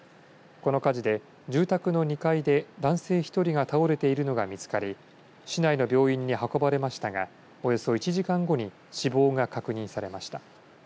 この火事で住宅の２階で男性１人が倒れているのが見つかり市内の病院に運ばれましたがおよそ１時間後に死亡が確認されました。